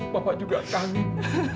bapak juga kangen